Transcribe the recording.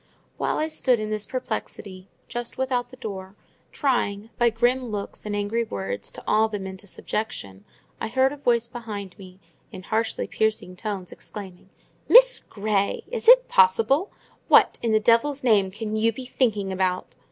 While I stood in this perplexity, just without the door, trying, by grim looks and angry words, to awe them into subjection, I heard a voice behind me, in harshly piercing tones, exclaiming,— "Miss Grey! Is it possible? What, in the devil's name, can you be thinking about?"